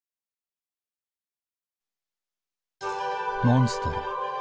モンストロ。